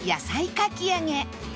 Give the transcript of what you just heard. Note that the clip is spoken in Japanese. かき揚げ